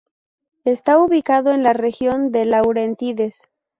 Está ubicado en la región de Laurentides.